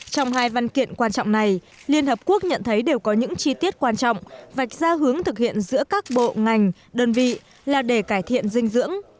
trong hai văn kiện quan trọng này liên hợp quốc nhận thấy đều có những chi tiết quan trọng vạch ra hướng thực hiện giữa các bộ ngành đơn vị là để cải thiện dinh dưỡng